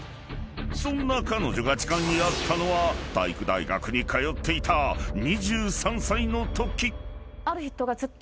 ［そんな彼女が痴漢に遭ったのは体育大学に通っていた２３歳のとき］